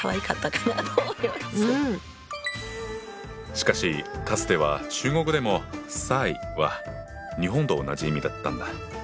しかしかつては中国でも「賽」は日本と同じ意味だったんだ。